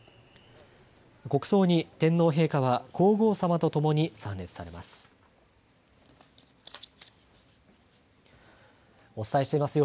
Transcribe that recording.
国葬に天皇陛下は皇后さまとともに参列されます。